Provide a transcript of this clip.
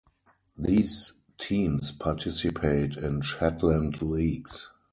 These teams participate in Shetland leagues.